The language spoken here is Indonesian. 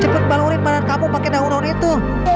cepet baluri padamu pakai daun daun itu